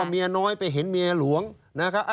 เมียน้อยไปเห็นเมียหลวงนะครับ